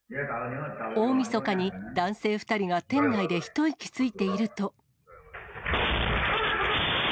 大みそかに男性２人が店内で一息ついていると。